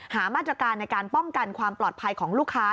หามาตรการในการป้องกันความปลอดภัยของลูกค้า